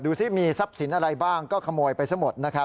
ดูสิมีทรัพย์สินอะไรบ้างก็ขโมยไปเสมอ